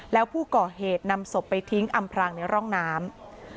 แล้วผู้ก่อเหตุนำศพไปทิ้งอำพรางในร่องน้ำ